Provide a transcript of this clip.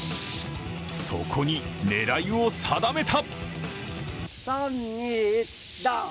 そこに、狙いを定めた！